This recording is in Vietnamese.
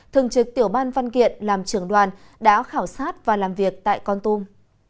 thường trực tiểu ban văn kiện làm trưởng đoàn đã khảo sát và làm việc tại con tum